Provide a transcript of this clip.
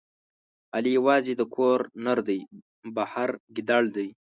علي یوازې د کور نردی، بهر ګیدړ دی.